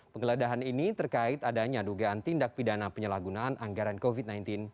penggeledahan ini terkait adanya dugaan tindak pidana penyalahgunaan anggaran covid sembilan belas